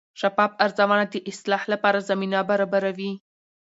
شفاف ارزونه د اصلاح لپاره زمینه برابروي.